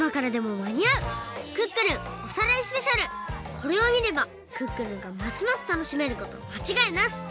これをみれば「クックルン」がますますたのしめることまちがいなし！